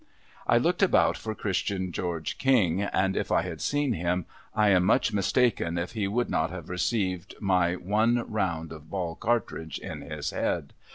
I looked about for Christian George King, and if I had seen him I am much mistaken if he would not have received my one round of ball cartridge in his head.